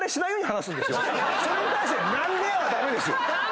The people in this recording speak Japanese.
それに対して「何でや⁉」は駄目ですよ。